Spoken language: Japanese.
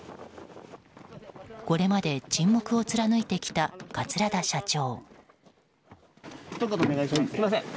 これまで沈黙を貫いてきた桂田社長。